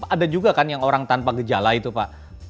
ada juga kan yang orang tanpa gejala itu pak